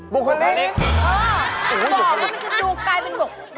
บุคลิกอ๋อบอกแล้วมันจะจูกกลายเป็นบุคลิก